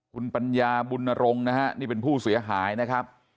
คุณปัญญาบุญนรงค์นะฮะนี่เป็นผู้เสียหายนะครับ